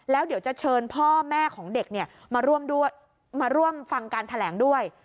แล้วเดี๋ยวจะเชิญพ่อแม่ของเด็กมาร่วมฟังการแถลงด้วย